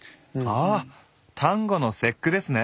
ああ端午の節句ですね。